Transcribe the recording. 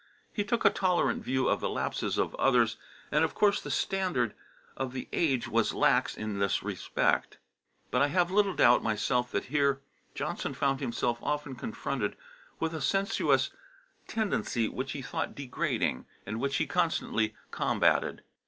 He took a tolerant view of the lapses of others, and of course the standard of the age was lax in this respect. But I have little doubt myself that here Johnson found himself often confronted with a sensuous tendency which he thought degrading, and which he constantly combated.